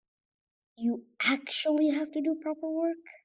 You actually have to do proper work.